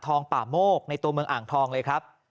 ป่าโมกในตัวเมืองอ่างทองเลยครับ